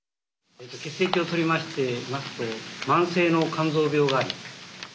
血液を採りまして見ますと慢性の肝臓病があり。